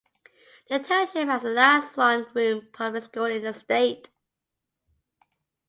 The township has the last one-room public school in the state.